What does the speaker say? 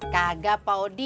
kagak pak odi